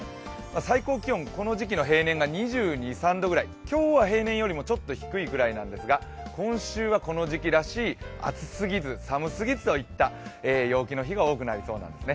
最高気温この時期の平年が２２２３度ぐらい今日は平年よりもちょっと低いぐらいなんですが、今週はこの時期らしい暑すぎず寒すぎずといった陽気の日が多くなりそうなんですね。